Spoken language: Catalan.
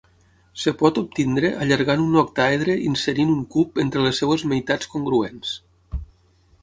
Es pot obtenir allargant un octàedre inserint un cub entre les seves meitats congruents.